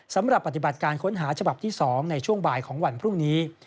สำหรับปฏิบัติการค้นหาฉบับที่๒ในช่วงบ่ายของวันพรุ่งนี้